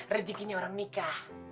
rezekinya orang nikah